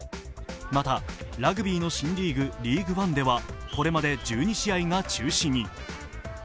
またラグビーの新リーグ、ＬＥＡＧＵＥＯＮＥではこれまで１２試合が中止に。